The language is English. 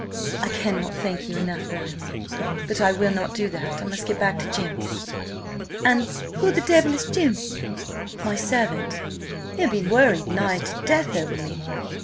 "I cannot thank you enough, Miles, but I will not do that. I must get back to Jim." "And who the devil is Jim?" "My servant. He'll be worried nigh to death over me.